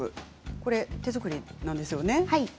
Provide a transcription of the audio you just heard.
こちらは手作りなんですよね。